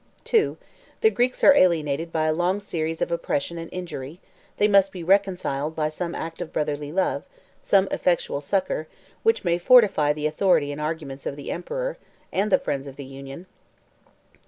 2. The Greeks are alienated by a long series of oppression and injury: they must be reconciled by some act of brotherly love, some effectual succor, which may fortify the authority and arguments of the emperor, and the friends of the union.